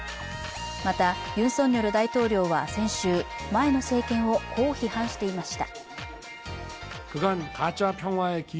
また、ユン・ソンニョル大統領は先週、前の政権を、こう批判していました。